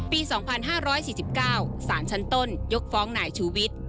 ปีสองพันธิ์ห้าร้อยสี่สิบเก้าศาลชันต้นยกฟ้องนายชูวิทย์